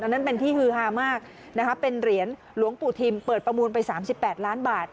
อันนั้นเป็นที่ฮือฮามากนะคะเป็นเหรียญหลวงปุถิมเปิดประมูลไปสามสิบแปดล้านบาท